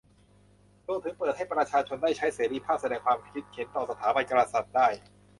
รวมถึงเปิดให้ประชาชน ได้ใช้เสรีภาพแสดงความคิดเห็นต่อสถาบันกษัตริย์ได้